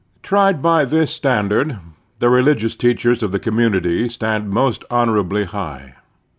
Tried by this standard, the religious teachers of the commtmity stand most honorably high.